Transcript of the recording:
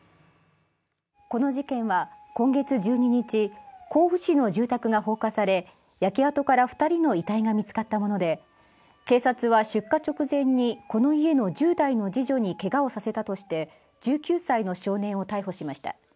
この事件は今月１２日、甲府市の住宅が放火され焼け跡から２人の遺体が見つかったもので、警察は出火直前にこの家の１０代の次女にけがをさせたとして１９歳の少年を逮捕しました。